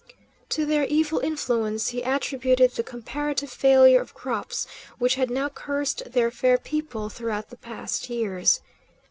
To their evil influence he attributed the comparative failure of crops which had now cursed their fair people throughout the past years.